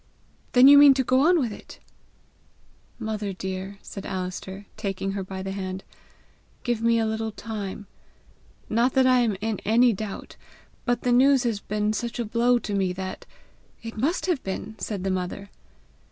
"Then you mean to go on with it?" "Mother dear," said Alister, taking her by the hand, "give me a little time. Not that I am in any doubt but the news has been such a blow to me that " "It must have been!" said the mother.